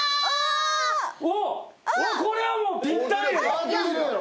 おっこれはもうぴったり。